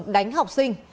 đánh học sinh